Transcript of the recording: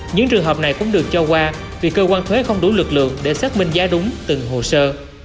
những trường hợp này cũng được cho qua vì cơ quan thuế không đủ lực lượng để xác minh giá đúng từng hồ sơ